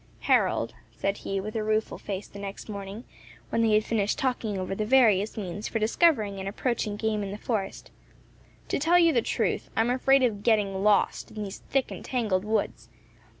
"Harold," said he, with a rueful face, the next morning, when they had finished talking over the various means for discovering and approaching game in the forest; "to tell you the truth, I am afraid of getting lost in these thick and tangled woods.